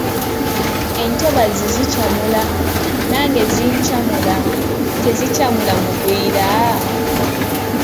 "Entobazzi zikyamula , nange zinkyamula , tezikyamula mugwira?"